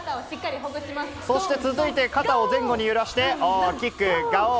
そして続いて、肩を前後に揺らして大きくがおー！